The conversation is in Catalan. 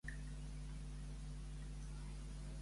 Després va anar a Madrid?